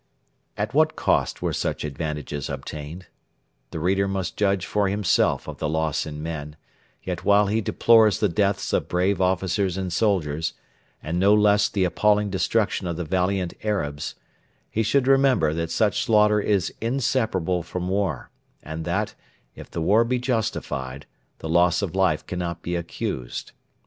At what cost were such advantages obtained? The reader must judge for himself of the loss in men; yet while he deplores the deaths of brave officers and soldiers, and no less the appalling destruction of the valiant Arabs, he should remember that such slaughter is inseparable from war, and that, if the war be justified, the loss of life cannot be accused.